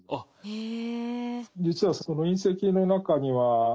へえ。